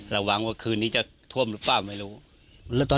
ระวังว่าคืนนี้จะท่วมหรือเปล่าไม่รู้